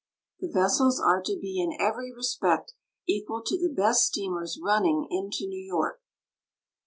The vessels are to be in every respect equal to the best steamers running into New York.